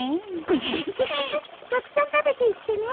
フフフたくさん食べていってね。